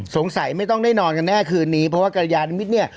ไม่ต้องได้นอนกันแน่คืนนี้เพราะว่ากรยานิมิตรเนี่ย